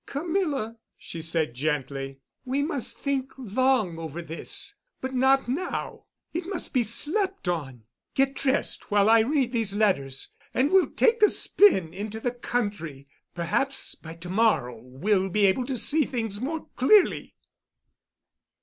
"Camilla," she said gently, "we must think long over this—but not now. It must be slept on. Get dressed while I read these letters, and we'll take a spin into the country. Perhaps by to morrow we'll be able to see things more clearly."